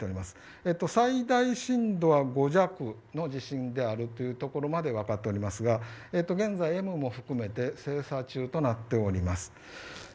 最大震度は５弱の地震であるというところまで分かっておりますが現在Ｍも含めて精査中です。